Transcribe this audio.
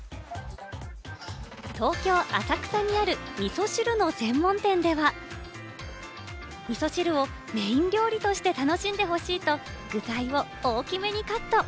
東京・浅草にある、みそ汁の専門店では、みそ汁をメーン料理として楽しんでほしいと具材を大きめにカット。